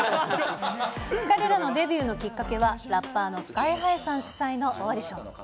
彼らのデビューのきっかけは、ラッパーのスカイハイさん主催のオーディション。